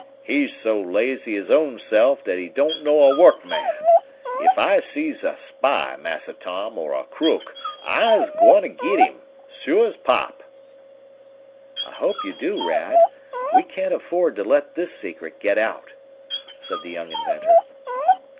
"He so lazy his own se'f dat he don't know a workman! Ef I sees a spy, Massa Tom, or a crook, I's gwine git him, suah pop!" "I hope you do, Rad. We can't afford to let this secret get out," said the young inventor.